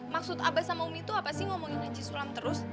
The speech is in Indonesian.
maksud abah sama umi tuh apa sih ngomongin aja sulam terus